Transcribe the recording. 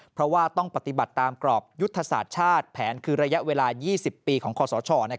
เพราะว่าต้องปฏิบัติตามกรอบยุทธศาสตร์ชาติแผนคือระยะเวลา๒๐ปีของคอสช